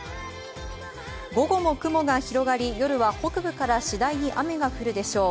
午後も雲が広がり夜は北部のほうから次第に雨が降るでしょう。